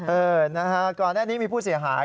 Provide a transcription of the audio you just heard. เออนะฮะก่อนหน้านี้มีผู้เสียหาย